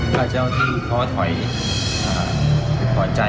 ถ้าเจ้าที่เค้าถอยผลักใจ